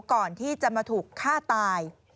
ก่อนที่จะมาถูกฆ่าตาย